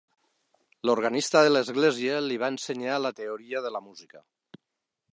L'organista de l'església li va ensenyar la teoria de la música.